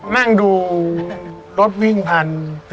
นั่งดูรถวิ่งพัน